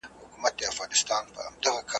نه د چا په حلواګانو کي لوبیږو ,